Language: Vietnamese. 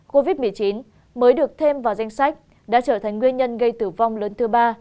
covid một mươi chín mới được thêm vào danh sách đã trở thành nguyên nhân gây tử vong lớn thứ ba